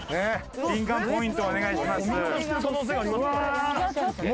ビンカンポイントをお願いします。